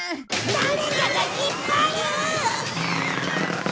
誰かが引っ張る！